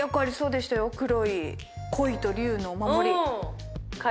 黒い鯉と龍のお守り。